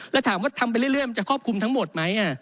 แล้วถามว่าทำไปเรื่อยมันจะครอบคลุมทั้งหมดไหม